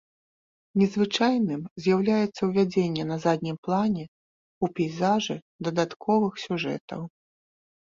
Незвычайным з'яўляецца ўвядзенне на заднім плане ў пейзажы дадатковых сюжэтаў.